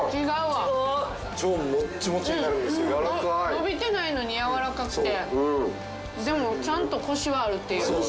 伸びてないのに軟らかくてでもちゃんとコシはあるっていう。